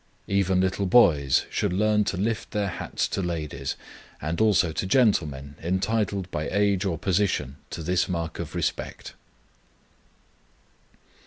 Even little boys should learn to lift their hats to ladies, and also to gentlemen entitled by age or position to this mark of respect.